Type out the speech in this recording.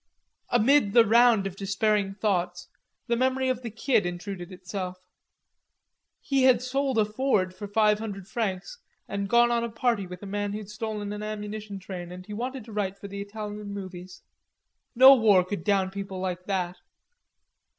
Amid the round of despairing thoughts, the memory of the Kid intruded itself. He had sold a Ford for five hundred francs, and gone on a party with a man who'd stolen an ammunition train, and he wanted to write for the Italian movies. No war could down people like that.